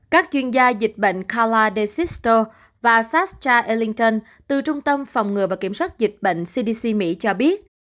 các chuyên gia dịch bệnh carla desisto và sasha ellington từ trung tâm phòng ngừa và kiểm soát dịch bệnh cdc mỹ cho biết